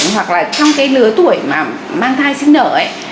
hoặc là trong cái lứa tuổi mà mang thai sinh nở ấy